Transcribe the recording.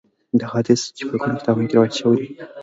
دغه حدیث چې په ګڼو کتابونو کې روایت شوی دی.